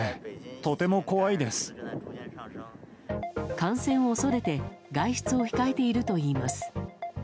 感染を恐れて外出を控えているといいます。